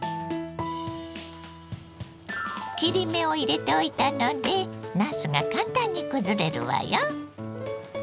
切り目を入れておいたのでなすが簡単にくずれるわよ。